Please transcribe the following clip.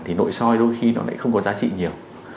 thì nội soi đôi khi nó lại không có giá trị nhiều